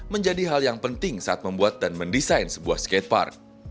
menjadi hal yang penting saat membuat dan mendesain sebuah skatepark